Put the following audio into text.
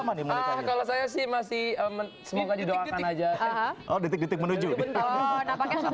masih semoga didoakan aja